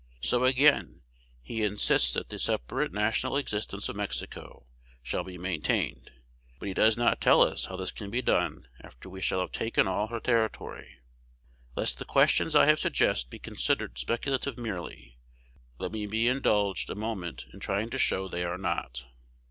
So, again, he insists that the separate national existence of Mexico shall be maintained; but he does not tell us how this can be done after we shall have taken all her territory. Lest the questions I here suggest be considered speculative merely, let me be indulged a moment in trying to show they are not.